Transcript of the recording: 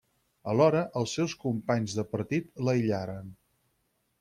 Alhora els seus companys de partit l'aïllaren.